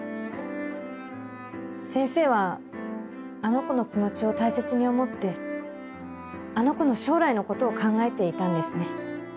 先生はあの子の気持ちを大切に思ってあの子の将来のことを考えていたんですね。